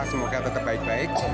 semoga tetap baik baik